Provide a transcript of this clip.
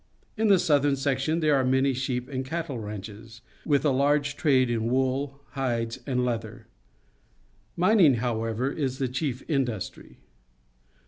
In the southern section there are many sheep and cattle ranches, with a large trade in wool, hides, and leather. Mining, however, is the chief industry.